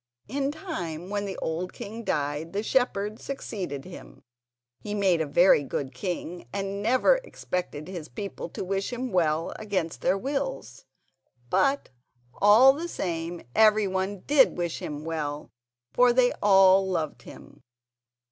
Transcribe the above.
In time, when the old king died, the shepherd succeeded him. He made a very good king and never expected his people to wish him well against their wills; but, all the same, everyone did wish him well, for they all loved him.